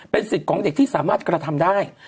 สิทธิ์ของเด็กที่สามารถกระทำได้